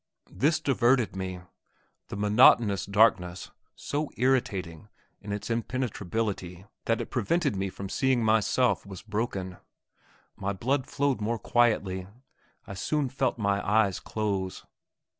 This diverted me; the monotonous darkness so irritating in its impenetrability that it prevented me from seeing myself was broken; my blood flowed more quietly; I soon felt my eyes close.